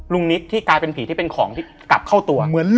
นิดที่กลายเป็นผีที่เป็นของที่กลับเข้าตัว